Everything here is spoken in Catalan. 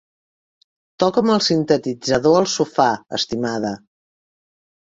Toca'm el sintetitzador al sofà, estimada.